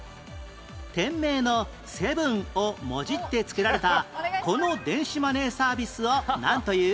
店名の「７」をもじって作られたこの電子マネーサービスをなんという？